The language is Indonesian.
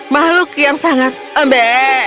makhluk yang sangat embek